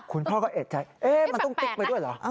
คุณพ่อก็เอกใจมันต้องติ๊กไปด้วยเหรอ